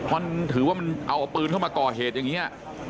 มันถือว่ามันเอาปืนเข้ามาก่อเหตุอย่างนี้